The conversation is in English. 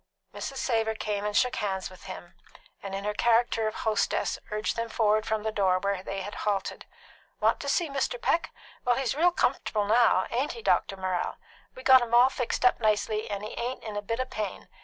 Mrs. Savor came and shook hands with them, and in her character of hostess urged them forward from the door, where they had halted. "Want to see Mr. Peck? Well, he's real comf'table now; ain't he, Dr. Morrell? We got him all fixed up nicely, and he ain't in a bit o' pain.